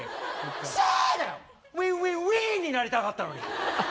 ウィーンになりたかったのに。